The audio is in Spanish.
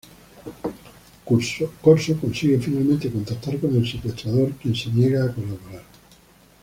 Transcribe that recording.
Corso consigue finalmente contactar con el secuestrador, quien se niega a colaborar.